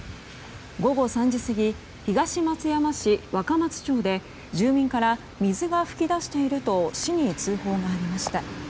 午後３時過ぎ東松山市若松町で住民から水が噴き出していると市に通報がありました。